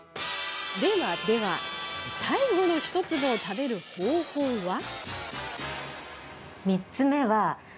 では、最後の１粒を食べる方法は。